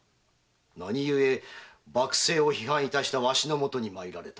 何故幕政を批判致したわしのもとに参られる？